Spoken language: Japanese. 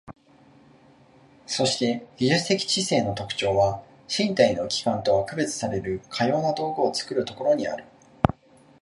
そして技術的知性の特徴は、身体の器官とは区別されるかような道具を作るところにある。